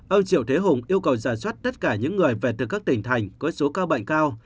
ông triệu thế hùng yêu cầu giả soát tất cả những người về từ các tỉnh thành có số ca bệnh cao